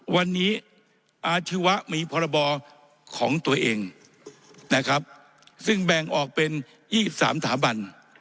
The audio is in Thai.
วันนี้อาชีวะมีพรบของตัวเองนะครับซึ่งแบ่งออกเป็น๒๓สถาบัน